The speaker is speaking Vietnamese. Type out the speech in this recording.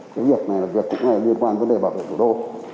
cái việc này là việc cũng liên quan vấn đề bảo vệ thủ đô